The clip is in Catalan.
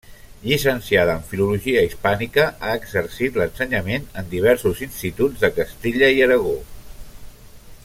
Llicenciada en Filologia Hispànica, ha exercit l'ensenyament en diversos instituts de Castella i Aragó.